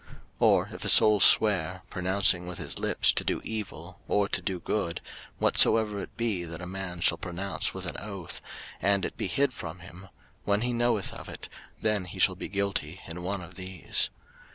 03:005:004 Or if a soul swear, pronouncing with his lips to do evil, or to do good, whatsoever it be that a man shall pronounce with an oath, and it be hid from him; when he knoweth of it, then he shall be guilty in one of these.